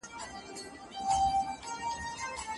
په هر حال کي د خیر تمه ولرئ.